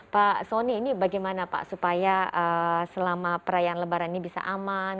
pak soni ini bagaimana pak supaya selama perayaan lebaran ini bisa aman